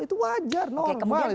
itu wajar normal itu loh